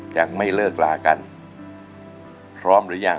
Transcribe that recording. จะไม่เลิกลากันพร้อมหรือยัง